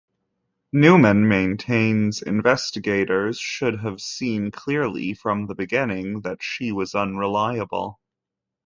Newman maintains investigators should have seen clearly from the beginning that she was unreliable.